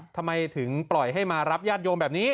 ทำไมถึงปล่อยให้มารับญาติโยมแบบนี้